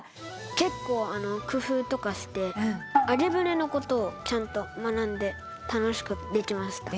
結構工夫とかして揚舟のことをちゃんと学んで楽しくできました。